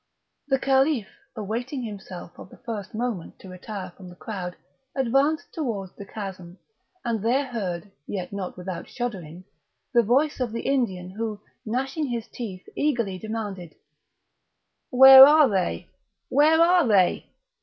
The Caliph, awaiting himself of the first moment to retire from the crowd, advanced towards the chasm, and there heard, yet not without shuddering, the voice of the Indian, who, gnashing his teeth, eagerly demanded: "Where are they? where are they?